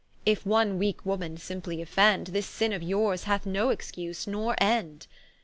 If one weake woman simply did offend, This sinne of yours hath no excuse, nor end.